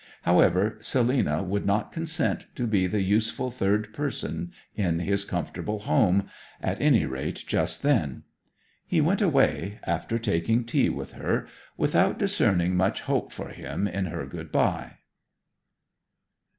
However, Selina would not consent to be the useful third person in his comfortable home at any rate just then. He went away, after taking tea with her, without discerning much hope for him in her good bye.